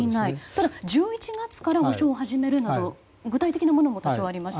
ただ、１１月から補償を始めるという具体的なものも多少ありました。